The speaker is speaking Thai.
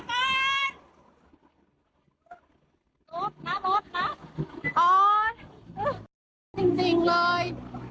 รถมารถมาอ้อนจริงจริงเลย